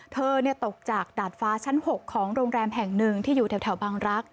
ตกจากดาดฟ้าชั้น๖ของโรงแรมแห่งหนึ่งที่อยู่แถวบังรักษ